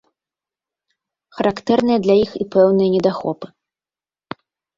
Характэрныя для іх і пэўныя недахопы.